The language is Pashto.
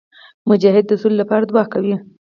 مجاهد د سولي لپاره دعا کوي.